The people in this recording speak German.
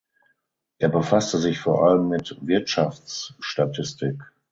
Er befasste sich vor allem mit Wirtschaftsstatistik.